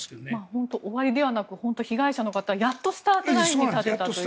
本当に終わりではなく被害者の方やっとスタートラインに立てたという。